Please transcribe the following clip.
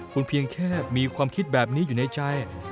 คุณเพียงแค่มีความคิดแบบนี้อยู่ในใจ